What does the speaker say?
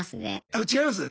あ違います？